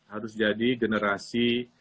harus jadi generasi